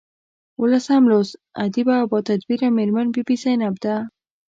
اوولسم لوست ادیبه او باتدبیره میرمن بي بي زینب ده.